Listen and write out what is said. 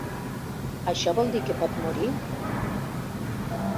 Això vol dir que pot morir?